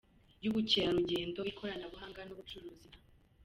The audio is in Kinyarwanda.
y’Ubukerarugendo, ikoranabuhanga n’ubucuruzi na